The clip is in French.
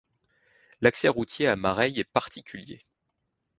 L'accès routier à Mareil est particulier.